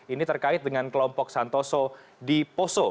ini terkait dengan kelompok santoso di poso